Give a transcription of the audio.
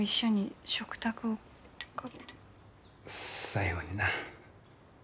最後にな